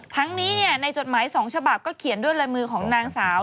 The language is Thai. ทั้งนี้ในจดหมาย๒ฉบับก็เขียนด้วยลายมือของนางสาว